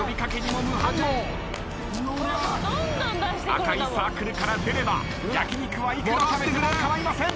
赤いサークルから出れば焼き肉はいくら食べても構いません。